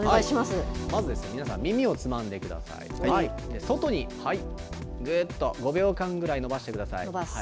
まずですね、皆さん、耳をつまんでください。外にぐっと５秒間ぐらい伸ばして伸ばす。